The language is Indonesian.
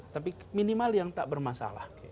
tapi minimal yang tak bermasalah